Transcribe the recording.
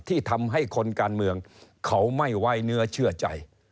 ที่ทำให้คนการเมืองเขาไม่ไว้เนื้อเชื่อใจ